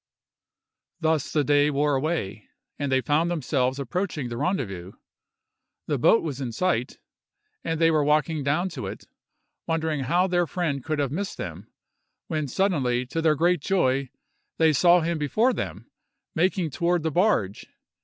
Thus the day wore away, and they found themselves approaching the rendezvous. The boat was in sight, and they were walking down to it, wondering how their friend could have missed them, when suddenly, to their great joy, they saw him before them, making toward the barge.